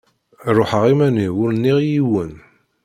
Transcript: Ruḥeɣ iman-iw ur nniɣ i yiwen.